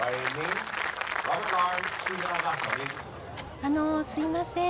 あのすいません。